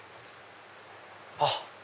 あっ！